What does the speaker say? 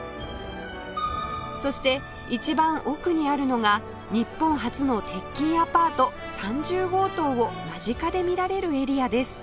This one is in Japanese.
そして一番奥にあるのが日本初の鉄筋アパート３０号棟を間近で見られるエリアです